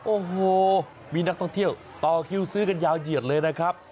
โอ้โหมีนักท่องเที่ยวต่อคิวซื้อกันยาวเหยียดเลยนะครับ